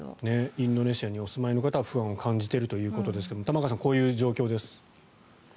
インドネシアにお住まいの方は不安を感じてるということですが玉川さん、こういう状況です。